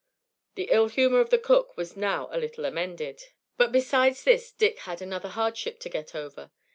The ill humor of the cook was now a little amended; but besides this Dick had another hardship to get over.